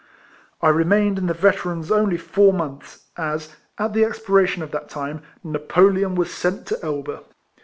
I remained in the Veterans only four months, as, at the expiration of that time, Napoleon was sent to Elba.